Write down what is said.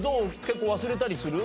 結構忘れたりする？